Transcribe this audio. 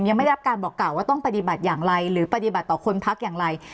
ยังไม่ได้รับการบอกกล่าวว่าต้องปฏิบัติอย่างไรหรือปฏิบัติต่อคนพักอย่างไร